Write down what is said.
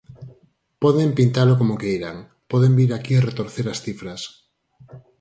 Poden pintalo como queiran, poden vir aquí retorcer as cifras.